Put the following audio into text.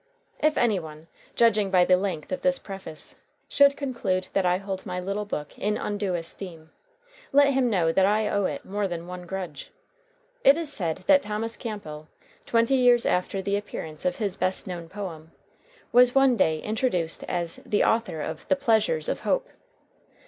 If any one, judging by the length of this preface, should conclude that I hold my little book in undue esteem, let him know that I owe it more than one grudge. It is said that Thomas Campbell, twenty years after the appearance of his best known poem, was one day introduced as "the author of 'The Pleasures of Hope.'"